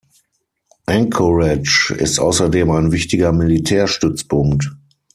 Anchorage ist außerdem ein wichtiger Militärstützpunkt.